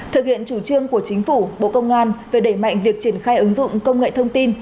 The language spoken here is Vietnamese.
thực hiện chủ trương của chính phủ bộ công an về đẩy mạnh việc triển khai ứng dụng công nghệ thông tin